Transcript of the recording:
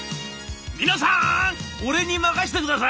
「皆さん俺に任せてください！